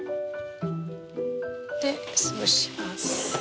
で潰します。